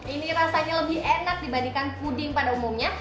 ini rasanya lebih enak dibandingkan puding pada umumnya